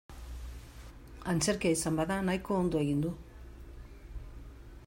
Antzerkia izan bada nahiko ondo egin du.